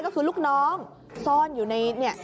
ก็คือลูกน้องซ่อนอยู่ในเนี่ย